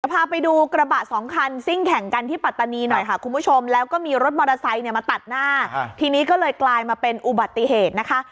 พาไปดูกระบะสองคันซิ่งแข่งกันที่ปัตตานีหน่อยค่ะคุณผู้ชมแล้วก็มีรถมอเตอร์ไซค์เนี่ยมาตัดหน้าทีนี้ก็เลยกลายมาเป็นอุบัติเหตุนะคะ